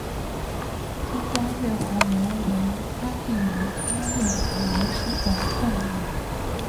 珠光月华螺为阿地螺科月华螺属的动物。